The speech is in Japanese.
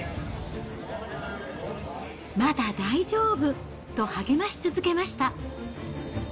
まだ大丈夫と、励まし続けました。